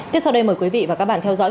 tiếp sau đây mời quý vị và các bạn theo dõi